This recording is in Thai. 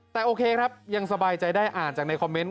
แต่โอเคครับยังสบายใจได้อ่านจากในคอมเมนต